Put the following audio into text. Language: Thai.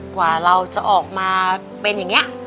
กว่าเราจะออกมาเป็นอย่างนี้